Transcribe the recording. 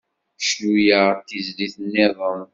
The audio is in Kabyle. Cnu-aɣ-d tizlit-nniḍen.